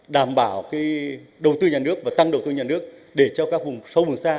đảm bảo đầu tư nhà nước và tăng đầu tư nhà nước để cho các vùng sâu vùng xa